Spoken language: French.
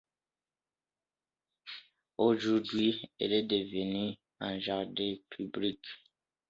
Aujourd'hui, elle est devenue un jardin public.